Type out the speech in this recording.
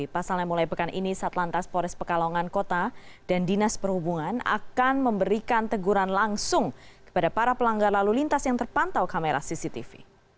pasalnya mulai pekan ini satlantas pores pekalongan kota dan dinas perhubungan akan memberikan teguran langsung kepada para pelanggar lalu lintas yang terpantau kamera cctv